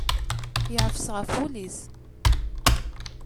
Yeɛfes ɣef wul-is.